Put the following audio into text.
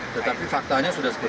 tetapi faktanya sudah sekian